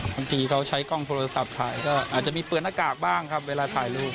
บางทีเขาใช้กล้องโทรศัพท์ถ่ายก็อาจจะมีเปิดหน้ากากบ้างครับเวลาถ่ายรูป